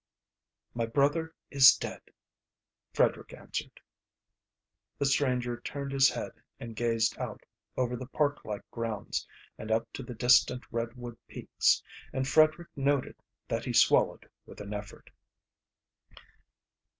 "My brother is dead," Frederick answered. The stranger turned his head and gazed out over the park like grounds and up to the distant redwood peaks, and Frederick noted that he swallowed with an effort.